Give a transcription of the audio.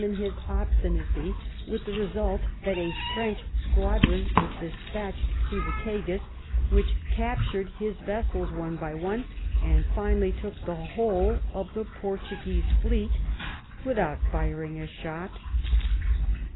66 in his obstinacy, with the result that a French squadron was despatched to the Tagus, which captured his ves sels one by one, and finally took the whole of the Portuguese fleet without firing a shot.